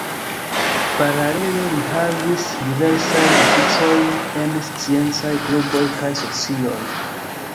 Paralele li havis diversajn oficojn en sciencaj kluboj kaj socioj.